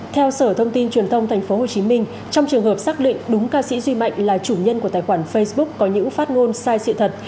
theo sở thông tin truyền thông tp hcm trong trường hợp xác định đúng ca sĩ duy mạnh là chủ nhân của tài khoản facebook có những phát ngôn sai sự thật